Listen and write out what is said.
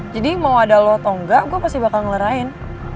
jadi mau ada lo atau nggak gue pasti bakal ngelerain